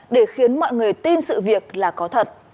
để khiến mọi người tin sự việc là có thật